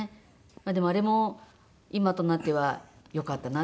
でもあれも今となってはよかったなって。